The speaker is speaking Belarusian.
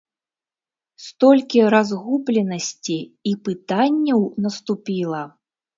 Столькі разгубленасці і пытанняў наступіла!